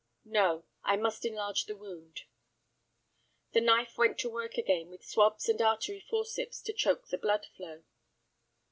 "No. I must enlarge the wound." The knife went to work again, with swabs and artery forceps to choke the blood flow.